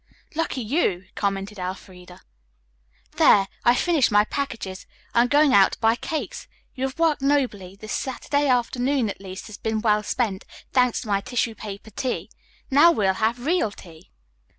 "Lucky you," commented Elfreda. "There, I've finished my packages. I'm going out to buy cakes. You have worked nobly. This Saturday afternoon, at least, has been well spent, thanks to my tissue paper tea. Now we'll have real tea."